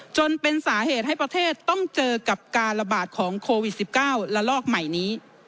จนเป็นสาเหตุให้ประเทศต้องเจอกับการระบาดของโควิด๑๙ระลอกใหม่นี้